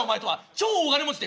超大金持ちだよ